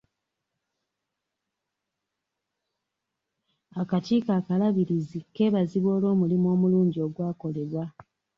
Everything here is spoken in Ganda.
Akakiiko akalabirizi kebazibwa olw'omulimu omulungi ogwakolebwa.